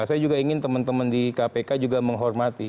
saya juga ingin teman teman di kpk juga menghormati